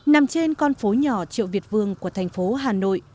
nằm trên con phố nhỏ triệu việt vương của thành phố hà nội